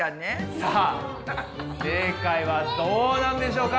さあ正解はどうなんでしょうか？